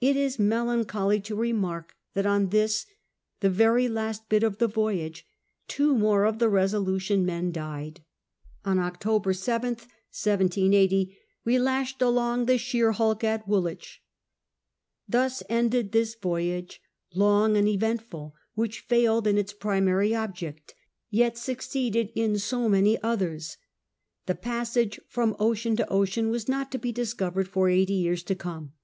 It is melancholy to remark that on this, the very last bit of the voyage, two more of the BesohUion men died. On October 7th, 1780, "we lashed along the Sheer hulk at Woolwich." Thus ended this voyage, long and eventful, which failed in its primary object, yet succeeded in so many others. The passage from ocean to ocean was not to be discovered for eighty years to come.